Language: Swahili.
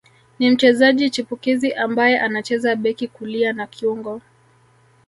Ni mchezaji chipukizi ambaye anacheza beki kulia na kiungo